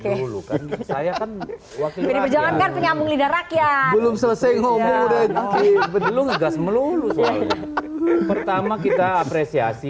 dulu kan saya kan wakil penyambung lidah rakyat belum selesai ngomong pertama kita apresiasi